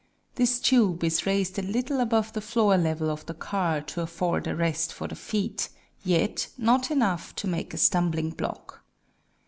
This tube is raised a little above the floor level of the car to afford a rest for the feet, yet, not enough to make a stumbling block.